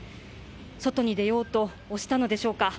外に出ようと押したのでしょうか。